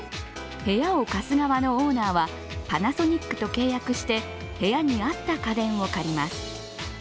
部屋を貸す側のオーナーはパナソニックと契約して部屋に合った家電を借ります。